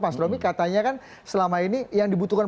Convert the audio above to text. mas romi katanya kan selama ini yang dibutuhkan